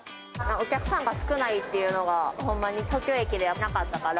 お客さんが少ないっていうのが、ほんまに東京駅ではなかったから。